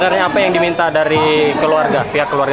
apa yang diminta dari pihak keluarga